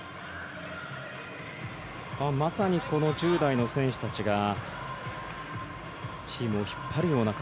まさにこの１０代の選手たちがチームを引っ張るような形。